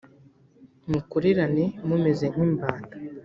mukorerane mumeze nk’imbata